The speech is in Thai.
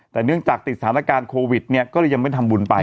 แต่เนื่องจากติดสถานการณ์โควิดเนี่ยก็เลยยังไม่ทำบุญไป